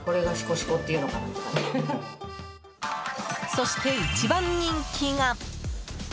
そして、一番人気が。